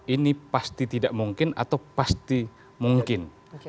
ini pasti tidak mungkin atau pasti mungkin